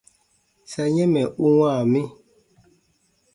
Sa yɛ̃ mɛ̀ u wãa mi.